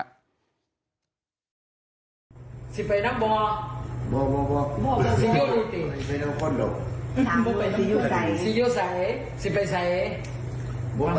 ลูกหลานบอกจะได้ดูแลหลวงปู่อย่างใกล้ชิดมากขึ้นผู้ที่ใช้เฟซบุ๊กนะฮะ